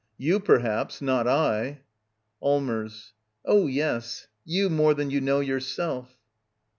You, perhaps. Not I. ^^LLMERS. Oh, yes — you more than you know yourself.